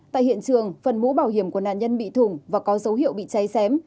tại hiện trường phần mũ bảo hiểm của nạn nhân bị thủng và có dấu hiệu bị cháy xém